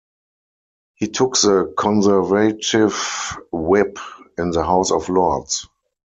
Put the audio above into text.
He took the Conservative whip in the House of Lords.